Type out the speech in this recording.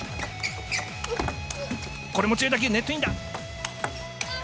これも強い打球、ネットインだ。